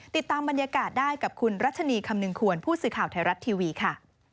ติดตามบรรยากาศได้กับคุณรัชนีคำนึงควรผู้สื่อข่าวไทยรัฐทีวีค่ะ